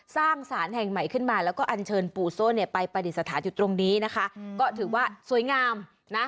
สร้างสารแห่งใหม่ขึ้นมาแล้วก็อันเชิญปู่โซ่เนี่ยไปปฏิสถานอยู่ตรงนี้นะคะก็ถือว่าสวยงามนะ